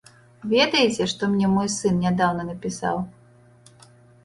Ведаеце, што мне мой сын нядаўна напісаў?